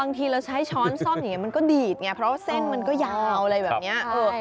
บางทีเราใช้ช้อนซ่อมอย่างนี้มันก็ดีดไงเพราะว่าเส้นมันก็ยาวอะไรแบบนี้